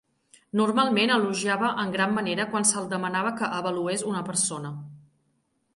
Normalment elogiava en gran manera quan se'l demanava que avalués una persona.